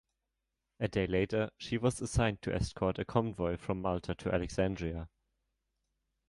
A day later, she was assigned to escort a convoy from Malta to Alexandria.